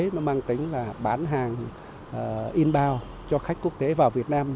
mà mang tính là bán hàng inbound cho khách quốc tế vào việt nam